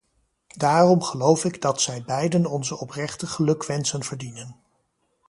Daarom geloof ik dat zij beiden onze oprechte gelukwensen verdienen.